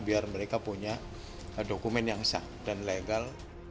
biar mereka punya dokumen yang sah dan legal